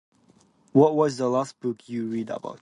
What was the last book you read about?